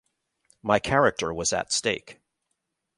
My character was at stake.